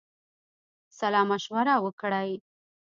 سلامشوره وکړی.